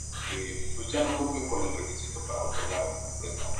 Su sede era el Palacio de las Salesas en Madrid.